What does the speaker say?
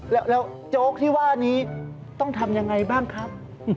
แล้วโจ๊กที่ว่านี้ต้องทำยังไงบ้างครับ